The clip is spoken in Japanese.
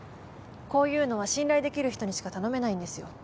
こういうのは信頼できる人にしか頼めないんですよ。